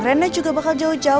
kerennya juga bakal jauh jauh